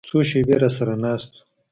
څو شېبې راسره ناست و.